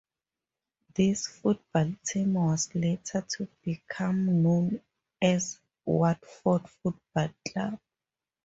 This football team was later to become known as Watford Football Club.